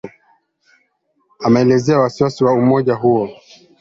Ameelezea wasi wasi wa umoja huo